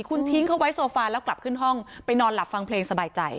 คุณทิ้งเขาไว้โซฟาแล้วกลับขึ้นห้องไปนอนหลับฟังเพลงสบายใจ